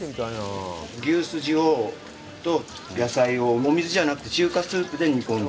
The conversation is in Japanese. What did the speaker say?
牛すじと野菜を水じゃなくて中華スープで煮込んで。